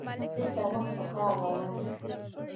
بېرته مخ په ښار روان شوو.